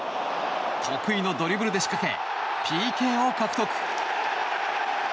得意のドリブルで仕掛けＰＫを獲得。